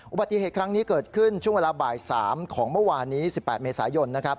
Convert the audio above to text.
อุบัติเหตุครั้งนี้เกิดขึ้นช่วงเวลาบ่าย๓ของเมื่อวานนี้๑๘เมษายนนะครับ